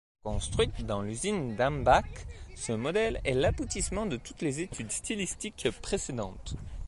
Construite dans l’usine d’Hambach, ce modèle est l’aboutissement de toutes les études stylistiques précédentes.